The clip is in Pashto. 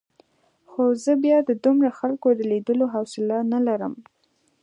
خو زه بیا د دومره خلکو د لیدو حوصله نه لرم.